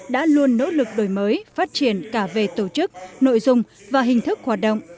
đã luôn nỗ lực đổi mới phát triển cả về tổ chức nội dung và hình thức hoạt động